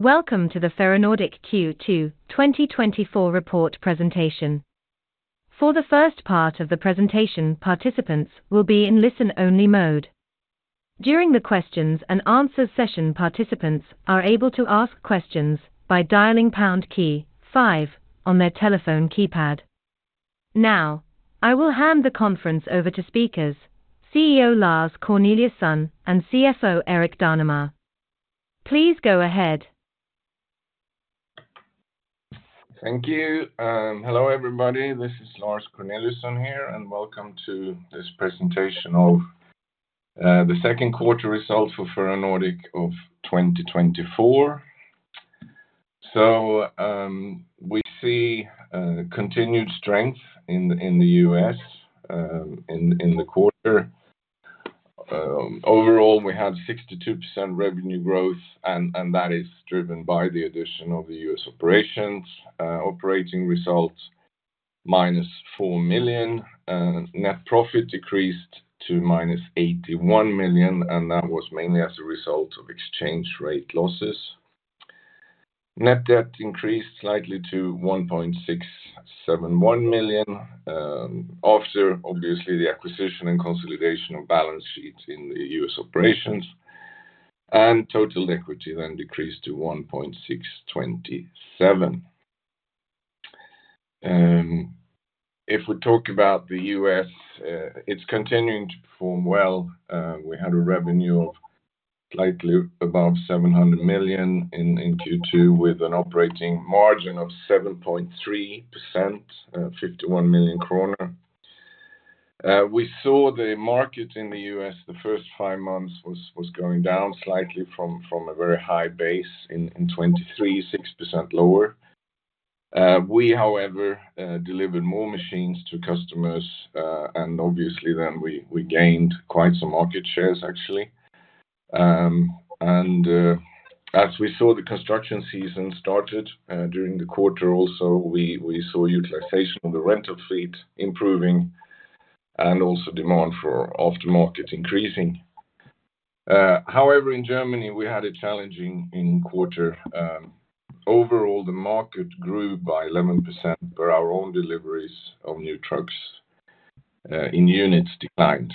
Welcome to the Ferronordic Q2 2024 Report Presentation. For the first part of the presentation, participants will be in listen-only mode. During the questions and answers session, participants are able to ask questions by dialing pound key five on their telephone keypad. Now, I will hand the conference over to speakers, CEO Lars Corneliusson and CFO Erik Danemar. Please go ahead. Thank you, and hello, everybody. This is Lars Corneliusson here, and welcome to this presentation of the second quarter results for Ferronordic of 2024. We see continued strength in the U.S., in the quarter. Overall, we had 62% revenue growth, and that is driven by the addition of the U.S. operations, operating results -4 million, and net profit decreased to -81 million, and that was mainly as a result of exchange rate losses. Net debt increased slightly to 167.1 million, after obviously the acquisition and consolidation of balance sheets in the U.S. operations, and total equity then decreased to 1.627 million. If we talk about the U.S., it's continuing to perform well. We had a revenue of slightly above 700 million in Q2, with an operating margin of 7.3%, 51 million kronor. We saw the market in the U.S.; the first five months was going down slightly from a very high base in 2023, 6% lower. We, however, delivered more machines to customers, and obviously then we gained quite some market shares, actually. As we saw the construction season started during the quarter also, we saw utilization of the rental fleet improving and also demand for aftermarket increasing. However, in Germany, we had a challenging quarter. Overall, the market grew by 11%, but our own deliveries of new trucks in units declined.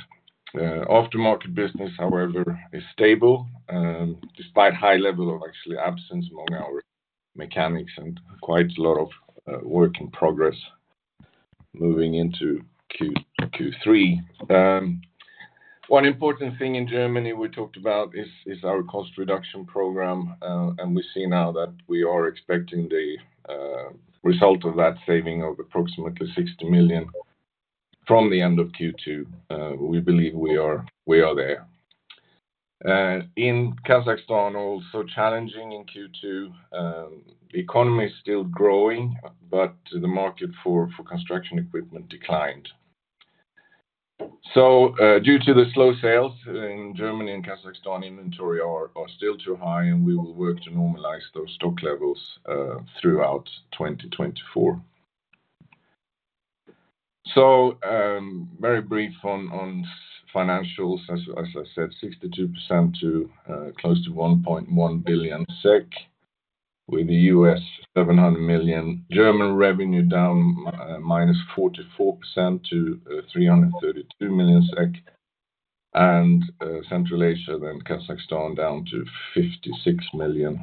Aftermarket business, however, is stable, despite high level of actually absence among our mechanics and quite a lot of work in progress moving into Q3. One important thing in Germany we talked about is our cost reduction program, and we see now that we are expecting the result of that saving of approximately 60 million from the end of Q2. We believe we are there. In Kazakhstan, also challenging in Q2. The economy is still growing, but the market for construction equipment declined. So, due to the slow sales in Germany and Kazakhstan, inventory are still too high, and we will work to normalize those stock levels throughout 2024. Very brief on financials. As I said, 62% to close to 1.1 billion SEK, with the U.S. 700 million. German revenue down -44% to 332 million SEK, and Central Asia, then Kazakhstan down to 56 million.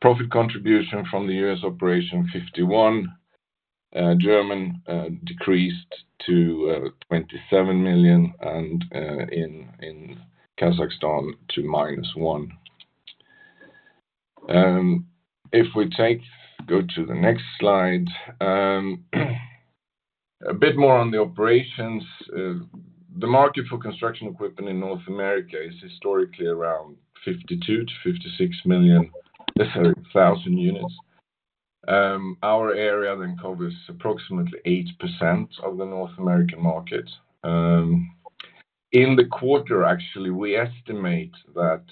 Profit contribution from the U.S. operation 51 million, German decreased to 27 million, and in Kazakhstan to -1 million. If we take... Go to the next slide. A bit more on the operations. The market for construction equipment in North America is historically around 52,000-56,000 units. Our area then covers approximately 8% of the North American market. In the quarter, actually, we estimate that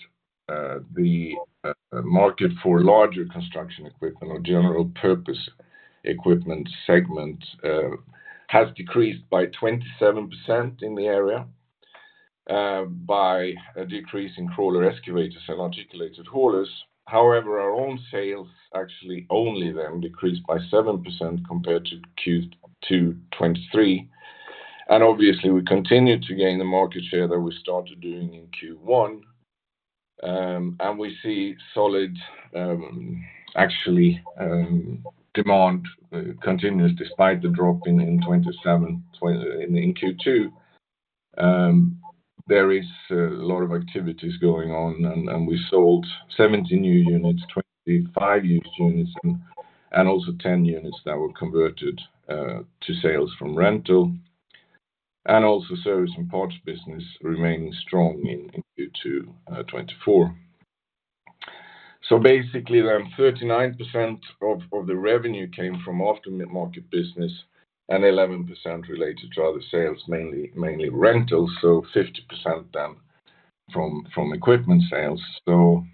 the market for larger construction equipment or general purpose equipment segment has decreased by 27% in the area by a decrease in crawler excavators and articulated haulers. However, our own sales actually only then decreased by 7% compared to Q2 2023. And obviously, we continued to gain the market share that we started doing in Q1. And we see solid actually demand continues despite the drop in 27 in Q2. There is a lot of activities going on, and we sold 70 new units, 25 used units, and also 10 units that were converted to sales from rental, and also service and parts business remaining strong in Q2 2024. So basically, then 39% of the revenue came from aftermarket business and 11% related to other sales, mainly, mainly rentals, so 50% then from equipment sales. So,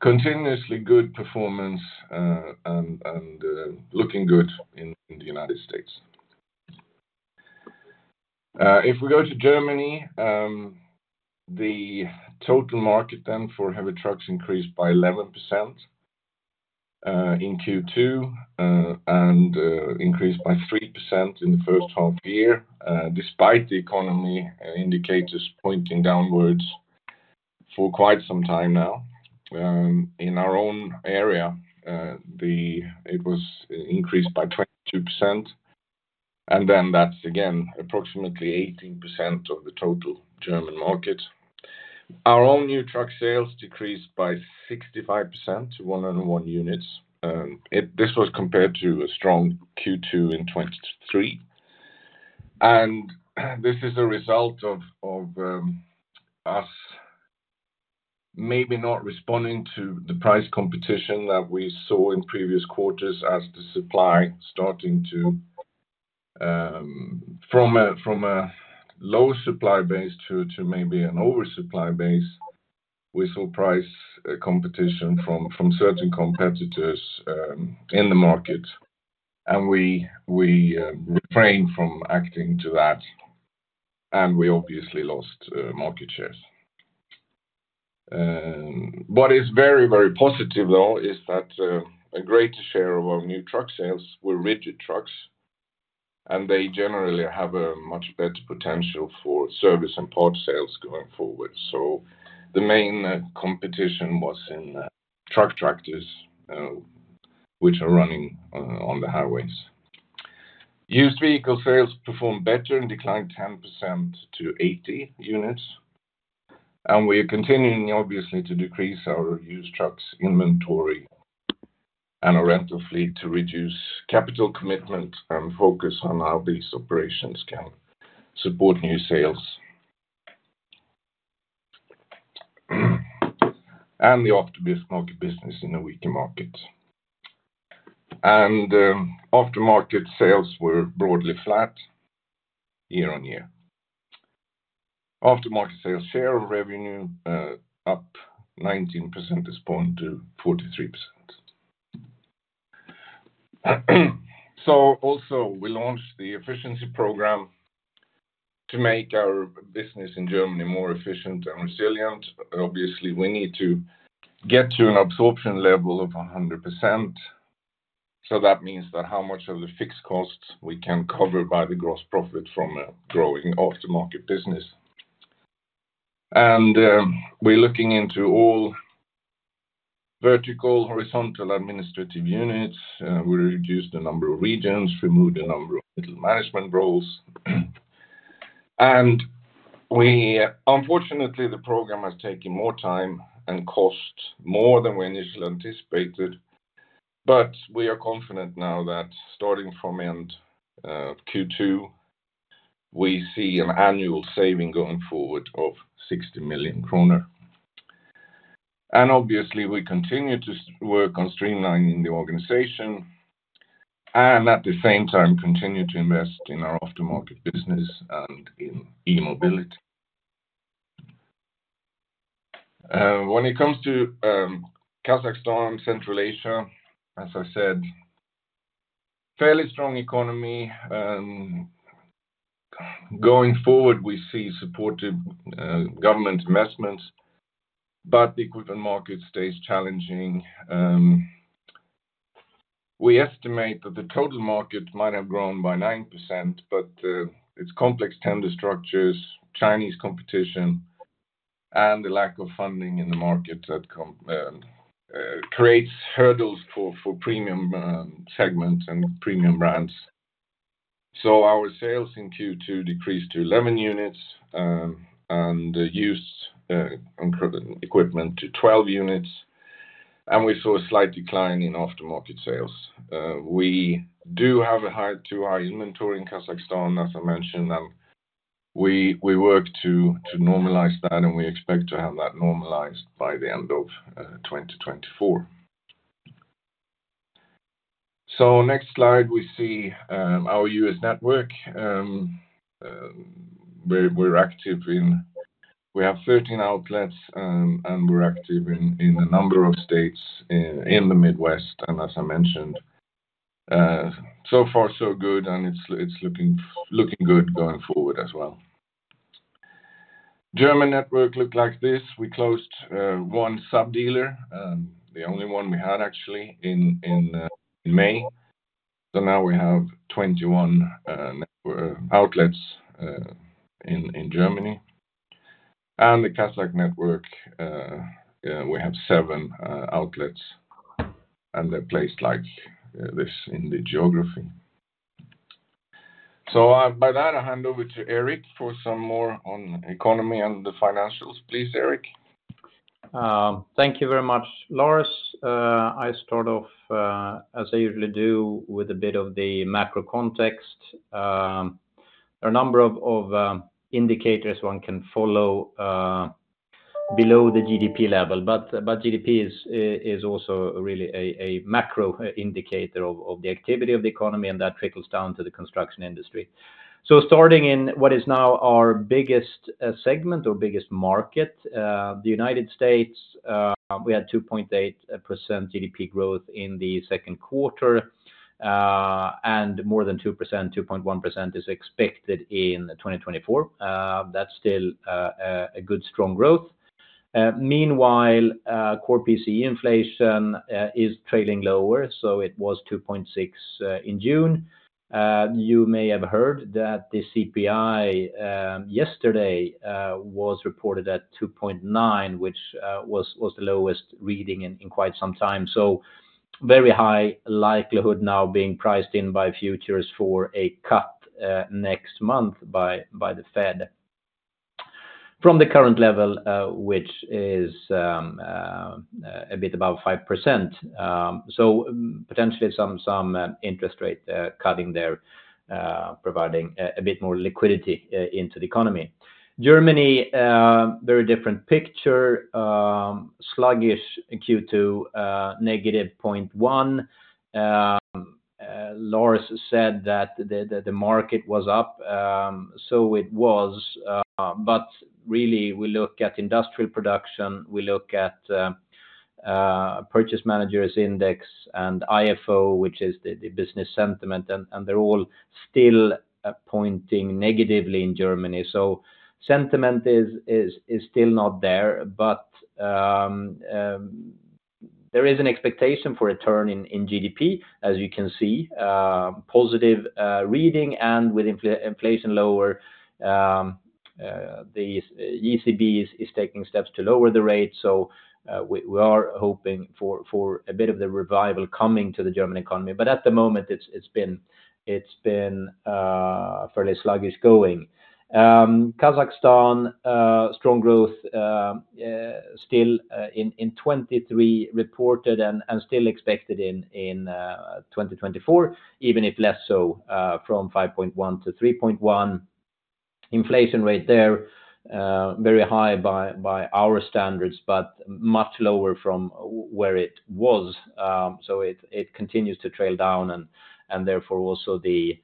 continuously good performance and looking good in the United States. If we go to Germany, the total market then for heavy trucks increased by 11% in Q2 and increased by 3% in the first half year, despite the economy indicators pointing downwards for quite some time now. In our own area, it was increased by 22%, and then that's again, approximately 18% of the total German market. Our own new truck sales decreased by 65% to 101 units. This was compared to a strong Q2 in 2023. This is a result of us maybe not responding to the price competition that we saw in previous quarters as the supply starting to from a low supply base to maybe an oversupply base. We saw price competition from certain competitors in the market, and we refrained from acting to that, and we obviously lost market shares. What is very, very positive, though, is that a great share of our new truck sales were rigid trucks, and they generally have a much better potential for service and parts sales going forward. The main competition was in truck tractors, which are running on the highways. Used vehicle sales performed better and declined 10% to 80 units, and we are continuing, obviously, to decrease our used trucks inventory and our rental fleet to reduce capital commitment and focus on how these operations can support new sales and the aftermarket business in a weaker market. Aftermarket sales were broadly flat year-on-year. Aftermarket sales share of revenue up 19 percentage points to 43%. We also launched the efficiency program to make our business in Germany more efficient and resilient. Obviously, we need to get to an absorption level of 100%. So that means that how much of the fixed costs we can cover by the gross profit from a growing aftermarket business. We're looking into all vertical, horizontal, administrative units. We reduced the number of regions, removed a number of middle management roles. We unfortunately, the program has taken more time and cost more than we initially anticipated, but we are confident now that starting from end Q2, we see an annual saving going forward of 60 million kronor. Obviously, we continue to work on streamlining the organization, and at the same time, continue to invest in our aftermarket business and in e-mobility. When it comes to Kazakhstan, Central Asia, as I said, fairly strong economy. Going forward, we see supportive government investments, but the equipment market stays challenging. We estimate that the total market might have grown by 9%, but its complex tender structures, Chinese competition, and the lack of funding in the market that come creates hurdles for premium segments and premium brands. So our sales in Q2 decreased to 11 units, and the used equipment to 12 units, and we saw a slight decline in aftermarket sales. We do have high inventory in Kazakhstan, as I mentioned, and we work to normalize that, and we expect to have that normalized by the end of 2024. So next slide, we see our U.S. network. We have 13 outlets, and we're active in a number of states in the Midwest, and as I mentioned, so far, so good, and it's looking good going forward as well. German network looked like this. We closed one sub-dealer, the only one we had actually, in May. So now we have 21 network outlets in Germany. And the Kazakh network, we have seven outlets, and they're placed like this in the geography. So, by that, I hand over to Erik for some more on economy and the financials. Please, Erik. Thank you very much, Lars. I start off, as I usually do, with a bit of the macro context. There are a number of indicators one can follow below the GDP level, but GDP is also really a macro indicator of the activity of the economy, and that trickles down to the construction industry. So starting in what is now our biggest segment or biggest market, the United States, we had 2.8% GDP growth in the second quarter, and more than 2%, 2.1% is expected in 2024. That's still a good strong growth. Meanwhile, core PCE inflation is trading lower, so it was 2.6% in June. You may have heard that the CPI yesterday was reported at 2.9%, which was the lowest reading in quite some time. So very high likelihood now being priced in by futures for a cut next month by the Fed. From the current level, which is a bit above 5%. So potentially some interest rate cutting there, providing a bit more liquidity into the economy. Germany, very different picture, sluggish in Q2, -0.1%. Lars said that the market was up, so it was, but really, we look at industrial production, we look at purchasing managers index and IFO, which is the business sentiment, and they're all still pointing negatively in Germany. So sentiment is still not there, but there is an expectation for a turn in GDP, as you can see, positive reading and with inflation lower, the ECB is taking steps to lower the rate. So we are hoping for a bit of the revival coming to the German economy. But at the moment, it's been fairly sluggish going. Kazakhstan strong growth still in 2023 reported and still expected in 2024, even if less so, from 5.1% to 3.1%. Inflation rate there very high by our standards, but much lower from where it was. So it continues to trail down and therefore also the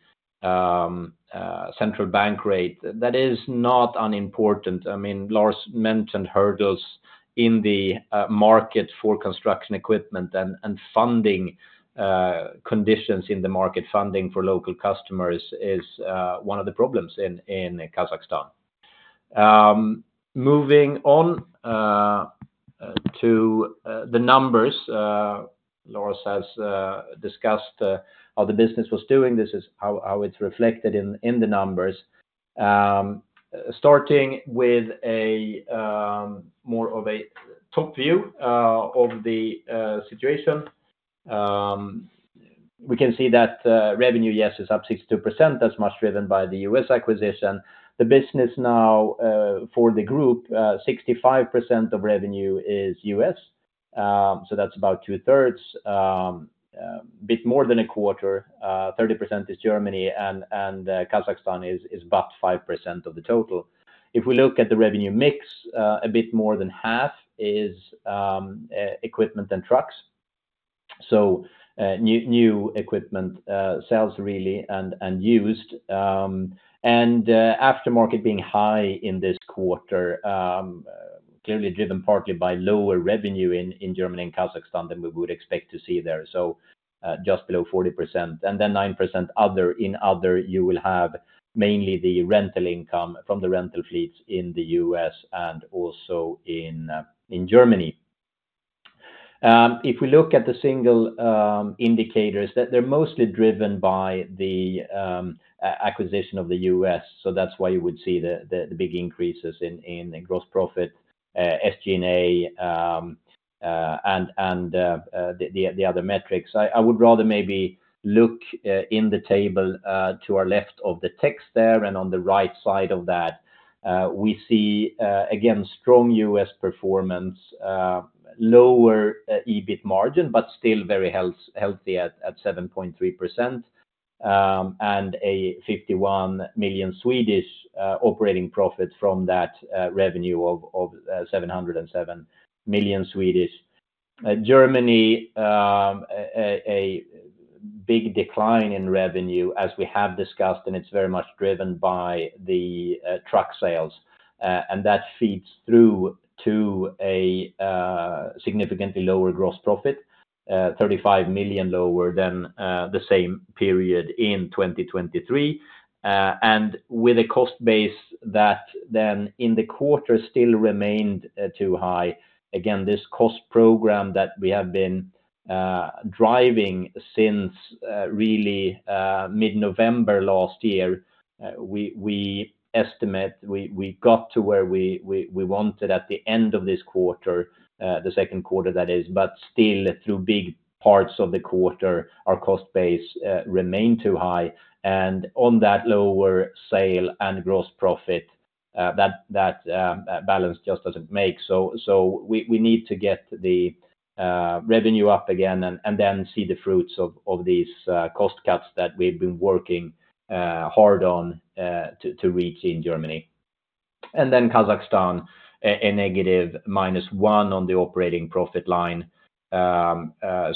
central bank rate. That is not unimportant. I mean, Lars mentioned hurdles in the market for construction equipment and funding conditions in the market. Funding for local customers is one of the problems in Kazakhstan. Moving on to the numbers, Lars has discussed how the business was doing. This is how it's reflected in the numbers. Starting with a more of a top view of the situation. We can see that revenue, yes, is up 62%, that's much driven by the U.S. acquisition. The business now for the group, 65% of revenue is U.S., so that's about 2/3. Bit more than a quarter, 30% is Germany, and Kazakhstan is about 5% of the total. If we look at the revenue mix, a bit more than half is equipment and trucks. So, new equipment sales really and used and aftermarket being high in this quarter, clearly driven partly by lower revenue in Germany and Kazakhstan than we would expect to see there. So, just below 40%, and then 9% other. In other, you will have mainly the rental income from the rental fleets in the U.S. and also in Germany. If we look at the single indicators, that they're mostly driven by the acquisition of the U.S., so that's why you would see the big increases in the gross profit, SG&A, and the other metrics. I would rather maybe look in the table to our left of the text there, and on the right side of that, we see again, strong U.S. performance, lower EBIT margin, but still very healthy at 7.3%, and a 51 million operating profit from that revenue of 707 million. Germany, a big decline in revenue, as we have discussed, and it's very much driven by the truck sales. That feeds through to a significantly lower gross profit, 35 million lower than the same period in 2023. With a cost base that then, in the quarter, still remained too high. Again, this cost program that we have been driving since really mid-November last year, we estimate we wanted at the end of this quarter, the second quarter that is, but still through big parts of the quarter, our cost base remained too high. And on that lower sale and gross profit, that balance just doesn't make. So we need to get the revenue up again and then see the fruits of these cost cuts that we've been working hard on to reach in Germany. And then Kazakhstan, a negative minus one on the operating profit line. Less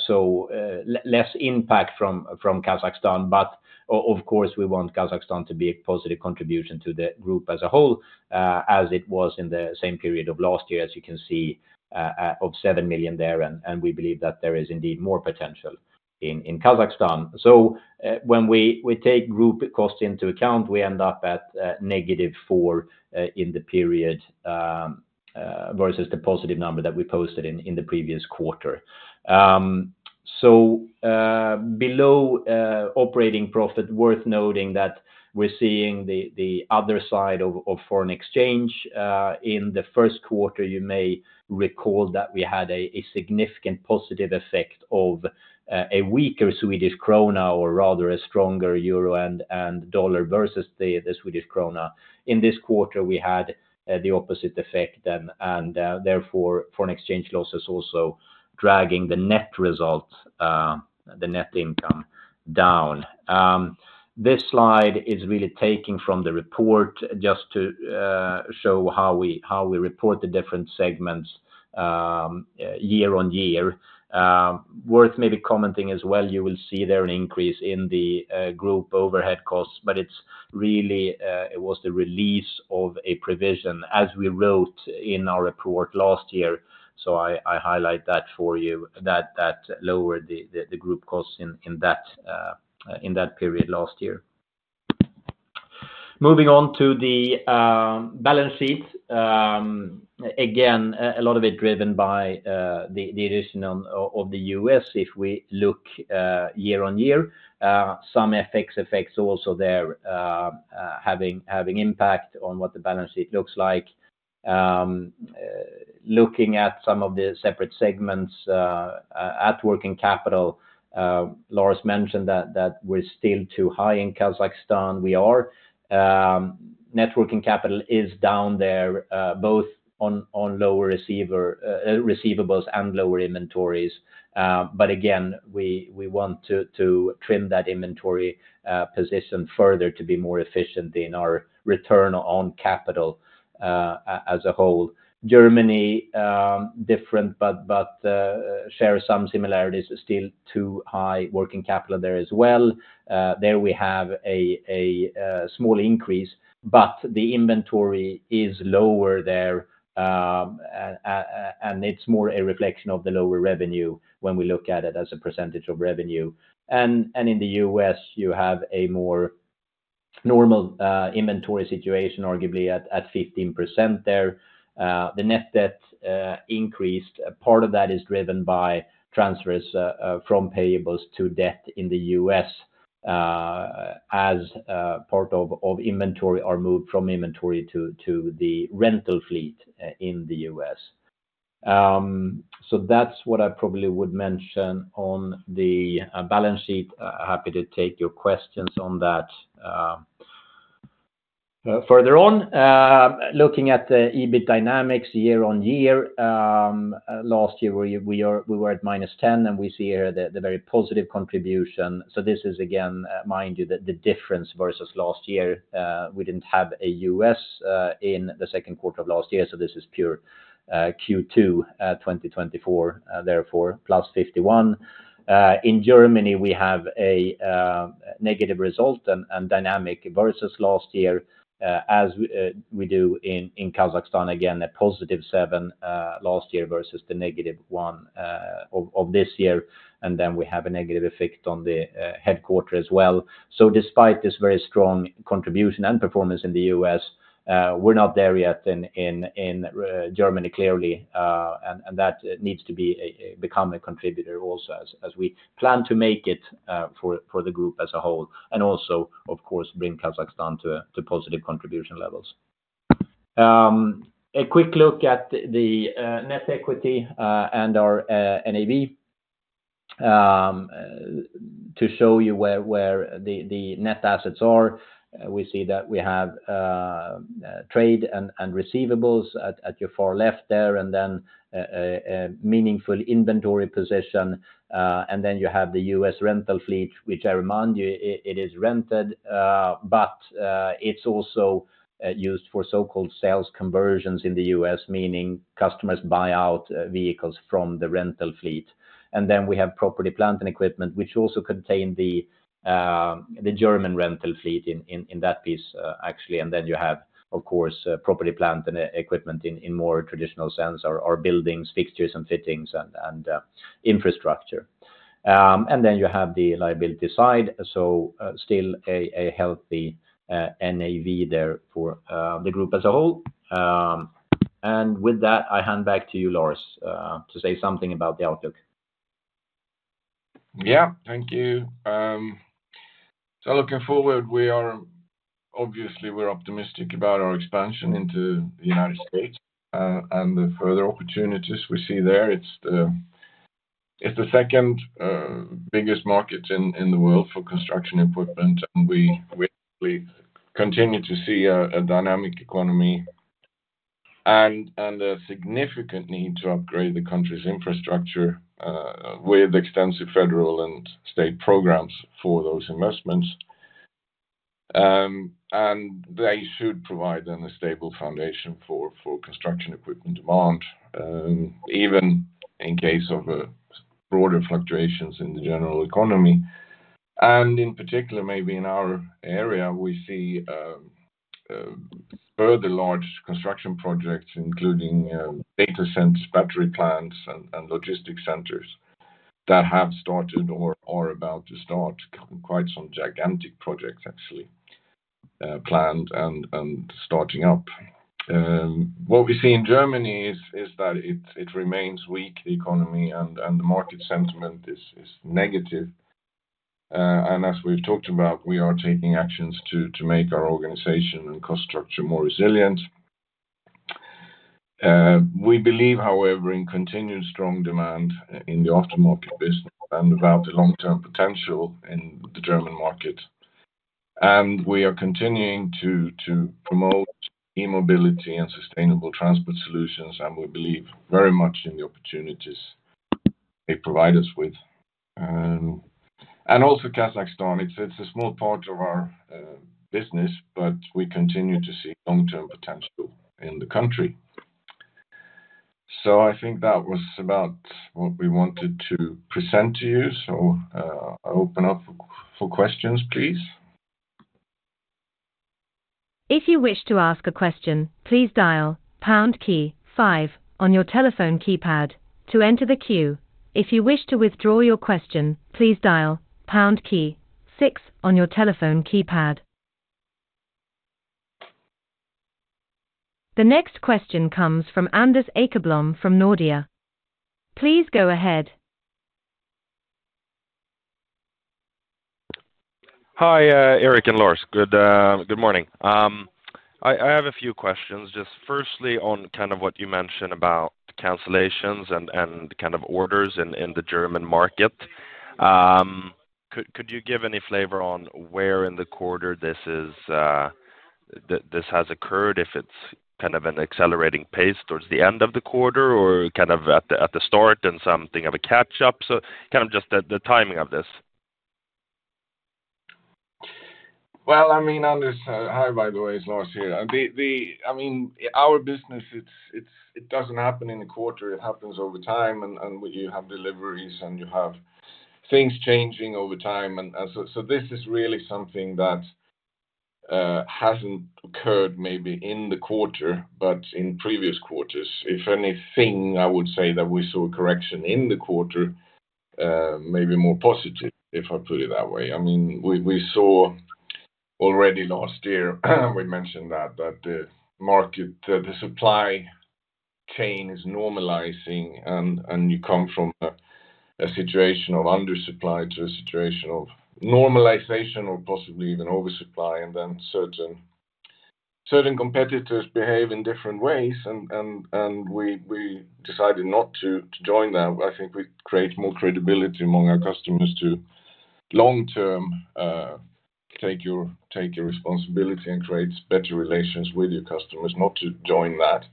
impact from Kazakhstan, but of course, we want Kazakhstan to be a positive contribution to the group as a whole, as it was in the same period of last year, as you can see, of 7 million there, and we believe that there is indeed more potential in Kazakhstan. When we take group costs into account, we end up at -4% in the period versus the positive number that we posted in the previous quarter. Below operating profit, worth noting that we're seeing the other side of foreign exchange. In the first quarter, you may recall that we had a significant positive effect of a weaker Swedish krona, or rather a stronger euro and dollar versus the Swedish krona. In this quarter, we had the opposite effect, and therefore, foreign exchange loss is also dragging the net results, the net income down. This slide is really taking from the report just to show how we report the different segments, year-on-year. Worth maybe commenting as well, you will see there an increase in the group overhead costs, but it's really, it was the release of a provision, as we wrote in our report last year. So I highlight that for you, that lowered the group costs in that period last year. Moving on to the balance sheet. Again, a lot of it driven by the addition of the U.S. If we look year-on-year, some effects also there having impact on what the balance sheet looks like. Looking at some of the separate segments at working capital, Lars mentioned that we're still too high in Kazakhstan. We are. Net working capital is down there both on lower receivables and lower inventories. But again, we want to trim that inventory position further to be more efficient in our return on capital as a whole. Germany different, but shares some similarities, still too high working capital there as well. There we have a small increase, but the inventory is lower there, and it's more a reflection of the lower revenue when we look at it as a percentage of revenue. In the U.S., you have a more normal inventory situation, arguably at 15% there. The net debt increased. Part of that is driven by transfers from payables to debt in the U.S., as part of inventory are moved from inventory to the rental fleet in the U.S. So that's what I probably would mention on the balance sheet. Happy to take your questions on that. Further on, looking at the EBIT dynamics year-on-year, last year we were at -10%, and we see here the very positive contribution. So this is again, mind you, the difference versus last year. We didn't have a U.S. in the second quarter of last year, so this is pure Q2 2024, therefore, +51%. In Germany, we have a negative result and dynamic versus last year, as we do in Kazakhstan, again, a +7% last year versus the -1% of this year. And then we have a negative effect on the headquarters as well. So despite this very strong contribution and performance in the U.S., we're not there yet in Germany, clearly, and that needs to become a contributor also as we plan to make it for the group as a whole, and also, of course, bring Kazakhstan to positive contribution levels. A quick look at the net equity and our NAV. To show you where the net assets are, we see that we have trade and receivables at your far left there, and then a meaningful inventory position. And then you have the U.S. rental fleet, which I remind you, it is rented, but it's also used for so-called sales conversions in the U.S., meaning customers buy out vehicles from the rental fleet. And then we have property, plant, and equipment, which also contain the German rental fleet in that piece, actually, and then you have, of course, property, plant, and equipment in more traditional sense, or buildings, fixtures and fittings, and infrastructure. And then you have the liability side, so still a healthy NAV there for the group as a whole. And with that, I hand back to you, Lars, to say something about the outlook. Yeah, thank you. So looking forward, we are obviously, we're optimistic about our expansion into the United States, and the further opportunities we see there. It's the second biggest market in the world for construction equipment, and we continue to see a dynamic economy and a significant need to upgrade the country's infrastructure, with extensive federal and state programs for those investments. And they should provide them a stable foundation for construction equipment demand, even in case of broader fluctuations in the general economy. In particular, maybe in our area, we see further large construction projects, including data centers, battery plants, and logistic centers that have started or are about to start, quite some gigantic projects actually, planned and starting up. What we see in Germany is that it remains weak, the economy and the market sentiment is negative. And as we've talked about, we are taking actions to make our organization and cost structure more resilient. We believe, however, in continued strong demand in the aftermarket business and about the long-term potential in the German market. And we are continuing to promote e-mobility and sustainable transport solutions, and we believe very much in the opportunities they provide us with. And also Kazakhstan, it's a small part of our business, but we continue to see long-term potential in the country. So I think that was about what we wanted to present to you. So, I open up for questions, please. If you wish to ask a question, please dial pound key five on your telephone keypad to enter the queue. If you wish to withdraw your question, please dial pound key six on your telephone keypad. The next question comes from Anders Akerblom from Nordea. Please go ahead. Hi, Erik and Lars. Good morning. I have a few questions. Just firstly, on kind of what you mentioned about cancellations and kind of orders in the German market. Could you give any flavor on where in the quarter this has occurred? If it's kind of an accelerating pace towards the end of the quarter or kind of at the start, and something of a catch-up, so kind of just the timing of this. Well, I mean, Anders, hi, by the way, it's Lars here. The, I mean, our business, it doesn't happen in a quarter, it happens over time, and you have deliveries, and you have things changing over time. This is really something that hasn't occurred maybe in the quarter, but in previous quarters. If anything, I would say that we saw a correction in the quarter, maybe more positive, if I put it that way. I mean, we saw already last year, we mentioned that the market, the supply chain is normalizing, and you come from a situation of undersupply to a situation of normalization or possibly even oversupply, and then certain competitors behave in different ways. We decided not to join them. I think we create more credibility among our customers to long-term take your responsibility and create better relations with your customers, not to join that.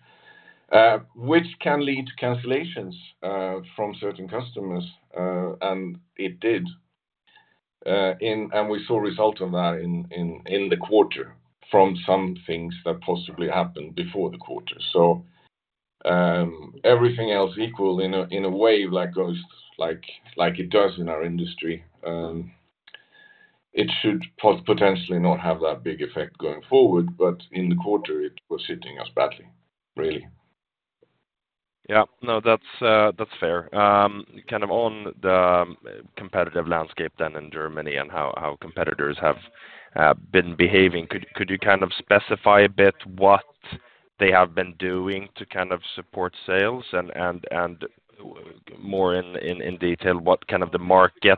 Which can lead to cancellations from certain customers, and it did. And we saw result of that in the quarter from some things that possibly happened before the quarter. So, everything else equal in a way, like goes like it does in our industry. It should potentially not have that big effect going forward, but in the quarter, it was hitting us badly, really. Yeah. No, that's fair. Kind of on the competitive landscape then in Germany and how competitors have been behaving, could you kind of specify a bit what they have been doing to kind of support sales? And more in detail, what kind of the market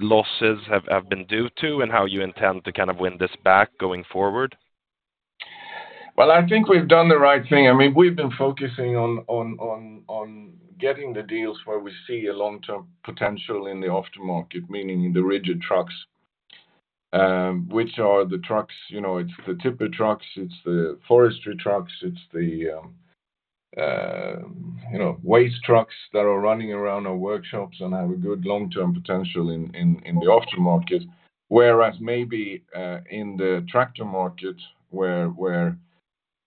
losses have been due to, and how you intend to kind of win this back going forward? Well, I think we've done the right thing. I mean, we've been focusing on getting the deals where we see a long-term potential in the aftermarket, meaning the rigid trucks, which are the trucks, you know, it's the tipper trucks, it's the forestry trucks, it's the waste trucks that are running around our workshops and have a good long-term potential in the aftermarket. Whereas maybe in the tractor market, where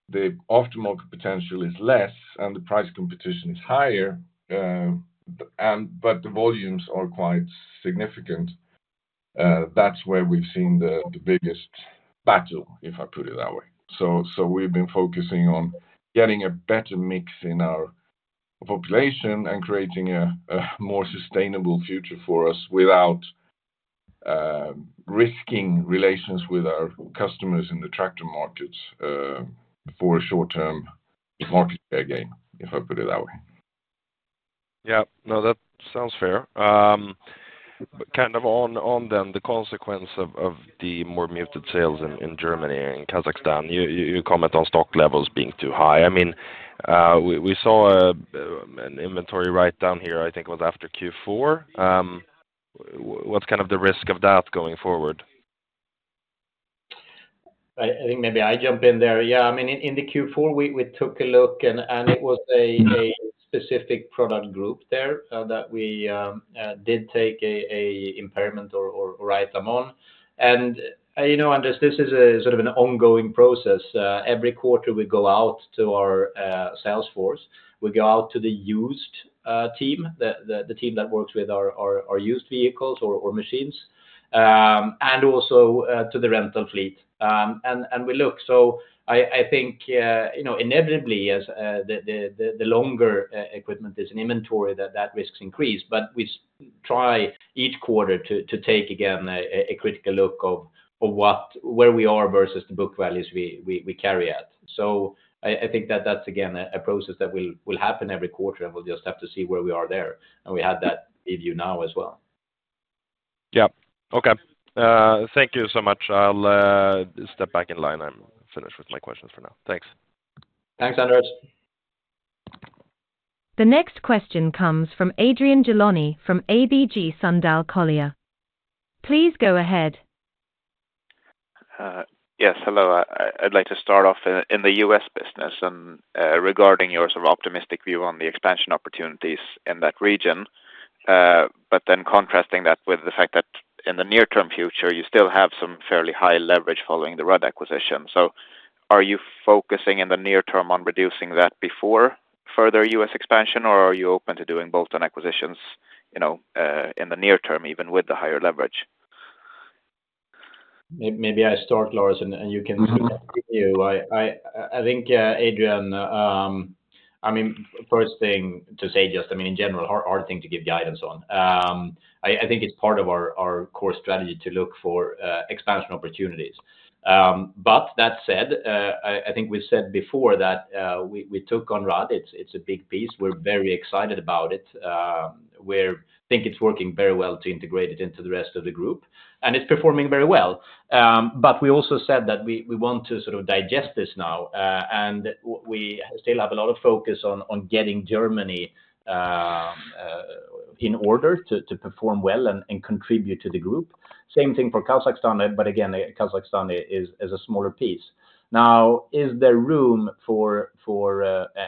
the aftermarket potential is less and the price competition is higher, and but the volumes are quite significant, that's where we've seen the biggest battle, if I put it that way. So, we've been focusing on getting a better mix in our population and creating a more sustainable future for us, without risking relations with our customers in the tractor markets, for a short-term market share gain, if I put it that way. Yeah. No, that sounds fair. But kind of on then, the consequence of the more muted sales in Germany and Kazakhstan, you comment on stock levels being too high. I mean, we saw an inventory writedown here, I think it was after Q4. What's kind of the risk of that going forward? I think maybe I jump in there. Yeah, I mean, in the Q4, we took a look, and it was a specific product group there that we did take a impairment or-... write them on. And, you know, Anders, this is a sort of an ongoing process. Every quarter we go out to our sales force. We go out to the used team, the team that works with our used vehicles or machines, and also to the rental fleet. And we look so I think, you know, inevitably as the longer equipment is in inventory, that risks increase, but we try each quarter to take again, a critical look of what—where we are versus the book values we carry out. So I think that that's again a process that will happen every quarter, and we'll just have to see where we are there, and we have that review now as well. Yeah. Okay. Thank you so much. I'll step back in line. I'm finished with my questions for now. Thanks. Thanks, Anders. The next question comes from Adrian Gilani from ABG Sundal Collier. Please go ahead. Yes. Hello. I'd like to start off in the U.S. business and regarding your sort of optimistic view on the expansion opportunities in that region, but then contrasting that with the fact that in the near term future, you still have some fairly high leverage following the Rudd acquisition. So are you focusing in the near term on reducing that before further U.S. expansion, or are you open to doing both on acquisitions, you know, in the near term, even with the higher leverage? Maybe I start, Lars, and you can- Mm-hmm... continue. I think, Adrian, I mean, first thing to say, just I mean, in general, our thing to give guidance on, I think it's part of our core strategy to look for expansion opportunities. But that said, I think we said before that, we took on Rudd. It's a big piece. We're very excited about it. We think it's working very well to integrate it into the rest of the group, and it's performing very well. But we also said that we want to sort of digest this now, and we still have a lot of focus on getting Germany in order to perform well and contribute to the group. Same thing for Kazakhstan, but again, Kazakhstan is a smaller piece. Now, is there room for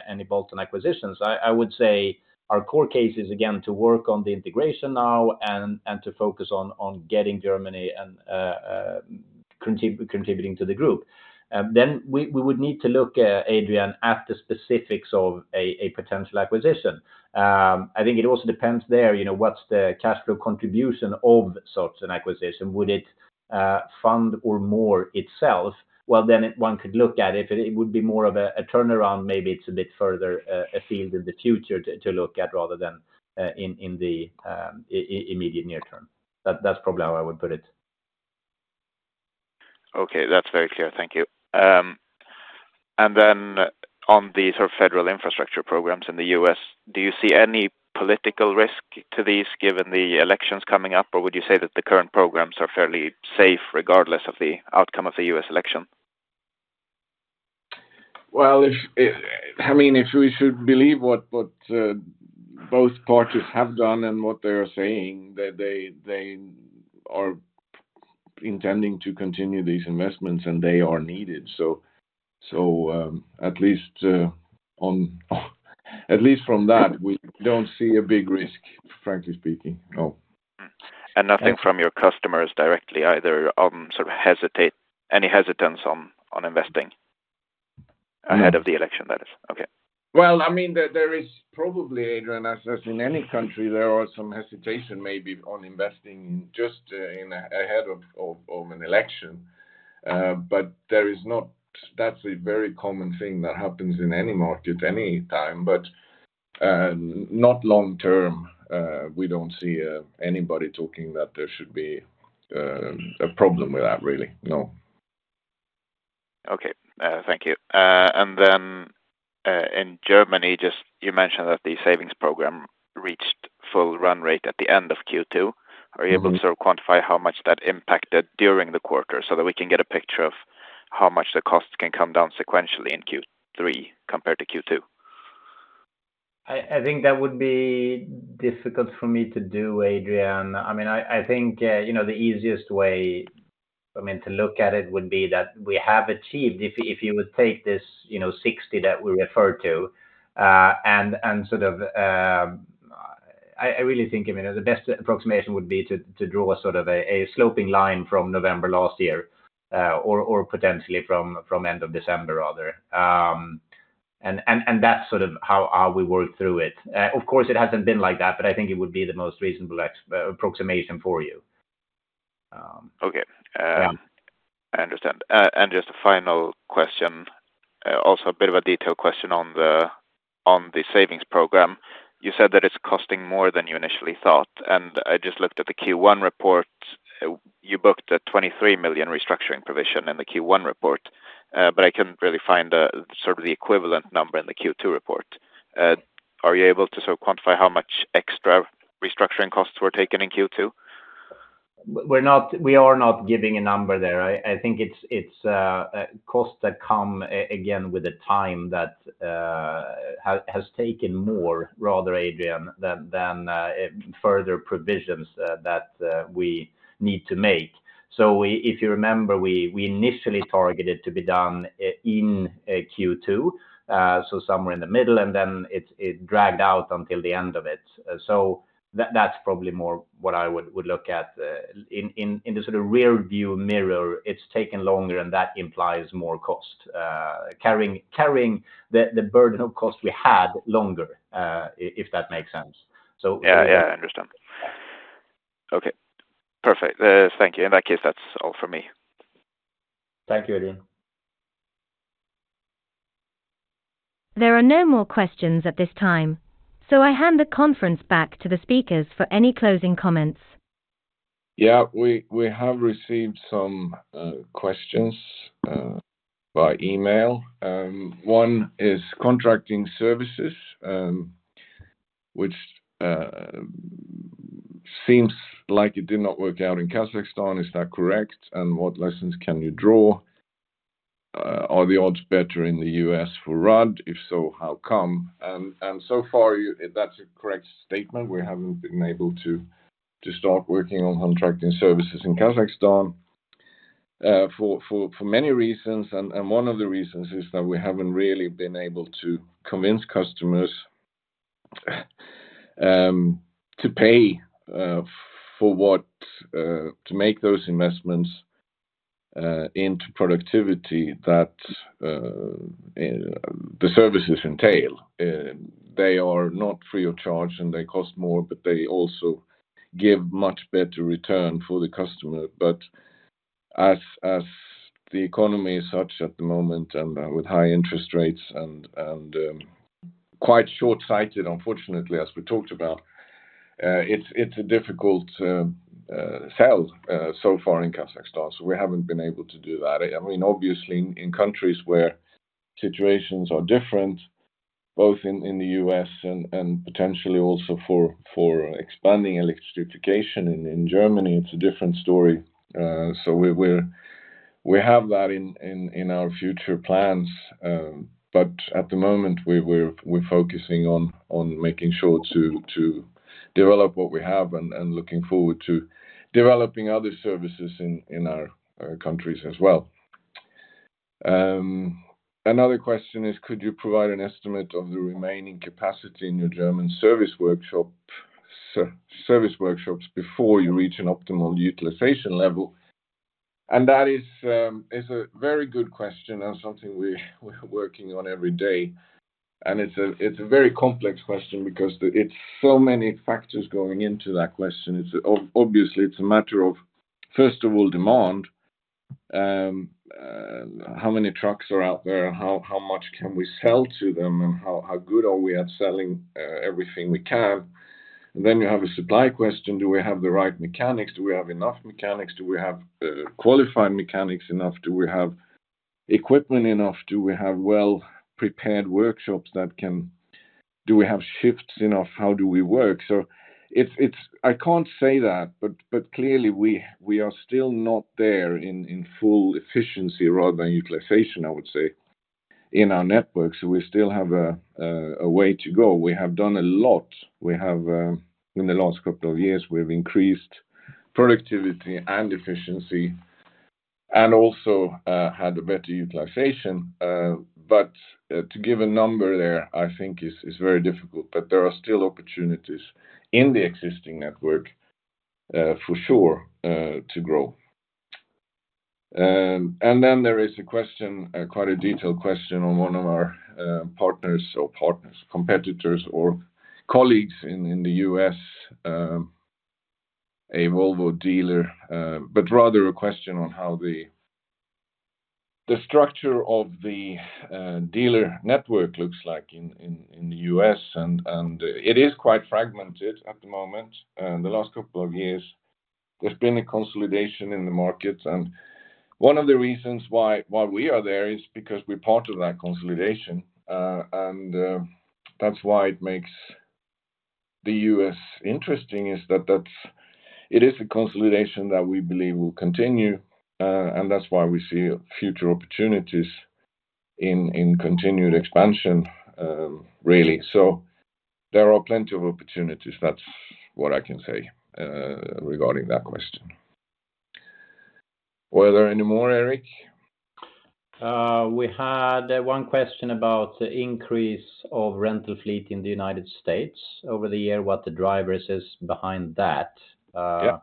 any bolt-on acquisitions? I would say our core case is again to work on the integration now and to focus on getting Germany and contributing to the group. Then we would need to look at, Adrian, at the specifics of a potential acquisition. I think it also depends there, you know, what's the cash flow contribution of such an acquisition? Would it fund or more itself? Well, then one could look at it. If it would be more of a turnaround, maybe it's a bit further afield in the future to look at, rather than in the immediate near term. That's probably how I would put it. Okay. That's very clear. Thank you. On the sort of federal infrastructure programs in the U.S., do you see any political risk to these, given the elections coming up, or would you say that the current programs are fairly safe regardless of the outcome of the U.S. election? Well, I mean, if we should believe what both parties have done and what they are saying, that they are intending to continue these investments, and they are needed, so at least from that, we don't see a big risk, frankly speaking, no. Nothing from your customers directly, either on any hesitance on investing ahead of the election, that is. Okay. Well, I mean, there is probably, Adrian, as in any country, there are some hesitation maybe on investing just ahead of an election. But there is not. That's a very common thing that happens in any market, any time, but not long term. We don't see anybody talking that there should be a problem with that, really. No. Okay, thank you. And then, in Germany, just you mentioned that the savings program reached full run rate at the end of Q2. Mm-hmm. Are you able to sort of quantify how much that impacted during the quarter, so that we can get a picture of how much the costs can come down sequentially in Q3 compared to Q2? I think that would be difficult for me to do, Adrian. I mean, I think, you know, the easiest way, I mean, to look at it would be that we have achieved, if you would take this, you know, 60 that we referred to, and sort of... I really think, I mean, the best approximation would be to draw a sort of a sloping line from November last year, or potentially from end of December, rather. And that's sort of how we work through it. Of course, it hasn't been like that, but I think it would be the most reasonable approximation for you. Okay. Yeah. I understand. Just a final question, also a bit of a detail question on the, on the savings program. You said that it's costing more than you initially thought, and I just looked at the Q1 report. You booked a 23 million restructuring provision in the Q1 report, but I couldn't really find the, sort of the equivalent number in the Q2 report. Are you able to sort of quantify how much extra restructuring costs were taken in Q2? We're not giving a number there. I think it's costs that come again with a time that has taken more rather, Adrian, than further provisions that we need to make. So we, if you remember, we initially targeted to be done in Q2, so somewhere in the middle, and then it dragged out until the end of it. So that's probably more what I would look at. In the sort of rear view mirror, it's taken longer, and that implies more cost. Carrying the burden of cost we had longer, if that makes sense. So- Yeah, yeah, I understand. Okay, perfect. Thank you. In that case, that's all for me. Thank you, Adrian. There are no more questions at this time, so I hand the conference back to the speakers for any closing comments. Yeah, we, we have received some questions by email. One is contracting services, which seems like it did not work out in Kazakhstan. Is that correct? And what lessons can you draw? Are the odds better in the U.S. for Rudd? If so, how come? And so far, you-- that's a correct statement. We haven't been able to start working on contracting services in Kazakhstan for many reasons, and one of the reasons is that we haven't really been able to convince customers to pay for what to make those investments into productivity that the services entail. They are not free of charge, and they cost more, but they also give much better return for the customer. But as the economy is such at the moment, and with high interest rates and quite short-sighted, unfortunately, as we talked about, it's a difficult sell so far in Kazakhstan, so we haven't been able to do that. I mean, obviously, in countries where situations are different, both in the U.S. and potentially also for expanding electrification in Germany, it's a different story. So we have that in our future plans, but at the moment, we're focusing on making sure to develop what we have and looking forward to developing other services in our countries as well. Another question is: Could you provide an estimate of the remaining capacity in your German service workshops before you reach an optimal utilization level? That is a very good question and something we're working on every day. It's a very complex question because there are so many factors going into that question. It's obviously a matter of, first of all, demand. How many trucks are out there? How much can we sell to them? And how good are we at selling everything we can? Then you have a supply question. Do we have the right mechanics? Do we have enough mechanics? Do we have qualified mechanics enough? Do we have equipment enough? Do we have well-prepared workshops that can? Do we have shifts enough? How do we work? So it's—I can't say that, but clearly, we are still not there in full efficiency rather than utilization, I would say, in our network. So we still have a way to go. We have done a lot. We have in the last couple of years, we've increased productivity and efficiency, and also had a better utilization, but to give a number there, I think is very difficult. But there are still opportunities in the existing network, for sure, to grow. And then there is a question, quite a detailed question on one of our partners, competitors or colleagues in the U.S., a Volvo dealer, but rather a question on how the structure of the dealer network looks like in the U.S., and it is quite fragmented at the moment. The last couple of years, there's been a consolidation in the market, and one of the reasons why, why we are there is because we're part of that consolidation. And that's why it makes the U.S. interesting, is that that's it is a consolidation that we believe will continue, and that's why we see future opportunities in continued expansion, really. So there are plenty of opportunities. That's what I can say regarding that question. Were there any more, Erik? We had one question about the increase of rental fleet in the United States over the year. What the drivers is behind that? Yeah.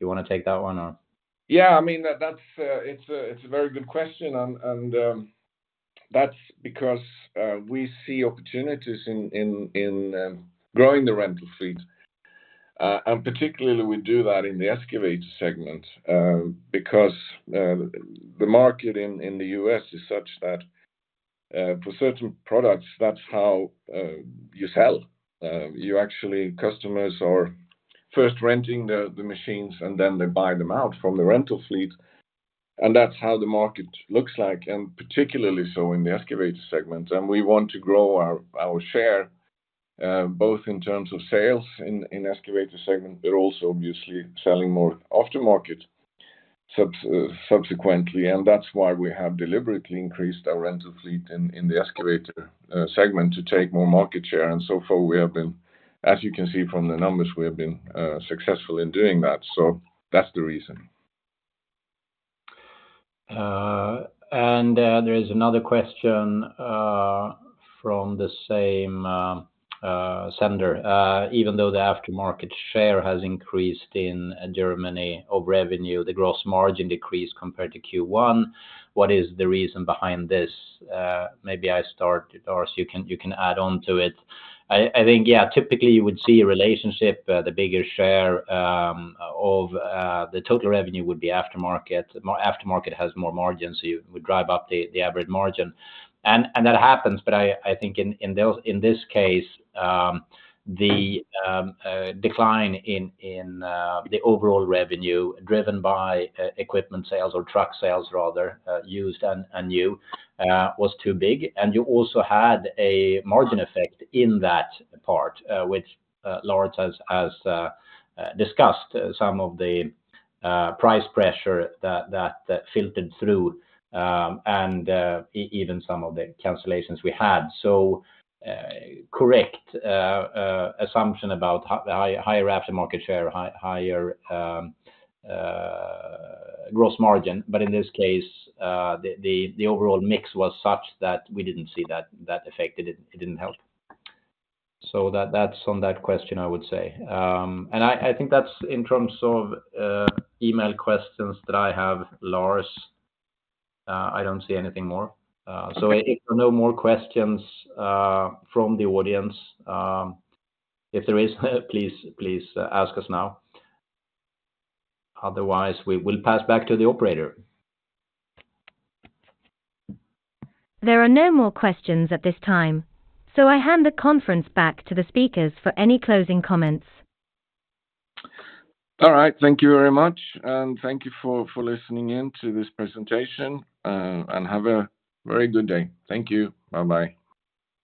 You wanna take that one or? Yeah, I mean, that's a very good question, and that's because we see opportunities in growing the rental fleet. And particularly, we do that in the excavator segment, because the market in the U.S. is such that for certain products, that's how you sell. You actually customers are first renting the machines, and then they buy them out from the rental fleet, and that's how the market looks like, and particularly so in the excavator segment. And we want to grow our share both in terms of sales in excavator segment, but also obviously selling more aftermarket subsequently. And that's why we have deliberately increased our rental fleet in the excavator segment to take more market share. And so far, we have been, as you can see from the numbers, we have been successful in doing that. So that's the reason.... And there is another question from the same sender. Even though the aftermarket share has increased in Germany of revenue, the gross margin decreased compared to Q1. What is the reason behind this? Maybe I start, or so you can, you can add on to it. I think, yeah, typically you would see a relationship, the bigger share of the total revenue would be aftermarket. More aftermarket has more margin, so you would drive up the average margin. And that happens, but I think in those, in this case, the decline in the overall revenue, driven by equipment sales or truck sales rather, used and new, was too big. You also had a margin effect in that part, which Lars has discussed some of the price pressure that filtered through, and even some of the cancellations we had. So, correct assumption about the higher aftermarket share, higher gross margin. But in this case, the overall mix was such that we didn't see that effect. It didn't help. So that's on that question, I would say. And I think that's in terms of email questions that I have, Lars. I don't see anything more. So if no more questions from the audience, if there is, please ask us now. Otherwise, we will pass back to the operator. There are no more questions at this time, so I hand the conference back to the speakers for any closing comments. All right. Thank you very much, and thank you for, for listening in to this presentation, and have a very good day. Thank you. Bye-bye.